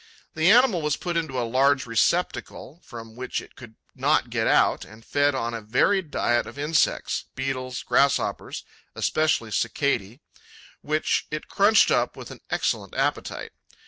The animal was put into a large receptacle from which it could not get out and fed on a varied diet of insects Beetles, Grasshoppers, especially Cicadae which it crunched up with an excellent appetite.